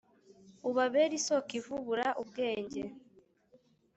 Ubabere isoko ivubura ubwenge,